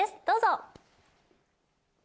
どうぞ！